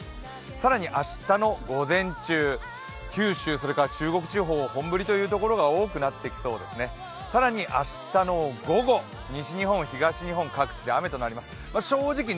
更に明日の午前中、九州、それから中国地方、本降りという所が多くなってきそうですね更に明日の午後、西日本、東日本各地で雨となります。